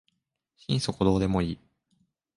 心底どうでもいい